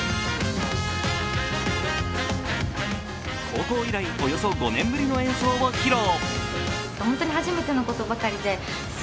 高校以来、およそ５年ぶりの演奏を披露。